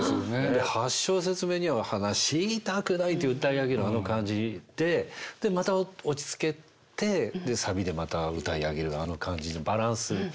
８小節目には「話したくない」って歌い上げるあの感じででまた落ち着けてサビでまた歌い上げるあの感じのバランス。